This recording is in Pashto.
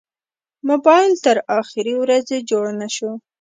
موبایل تر اخرې ورځې جوړ نه شو.